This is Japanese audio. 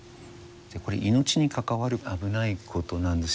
これ命に関わる危ないことなんですよね